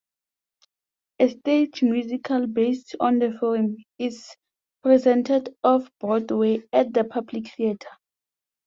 A stage musical, based on the film, is presented Off-Broadway at the Public Theater.